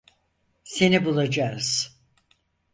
Seni bulacağız.